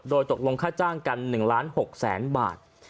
โดยตกลงค่าจ้างกัน๑๖๐๐๐๐๐บาท